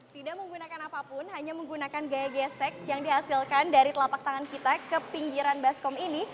tidak menggunakan apapun hanya menggunakan gaya gesek yang dihasilkan dari telapak tangan kita ke pinggiran baskom ini